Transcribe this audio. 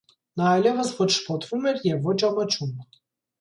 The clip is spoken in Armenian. Նա այլևս ոչ շփոթվում էր և ոչ ամաչում.